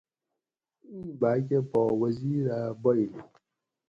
اِیں باکہ پا وزیر اۤ بایٔلی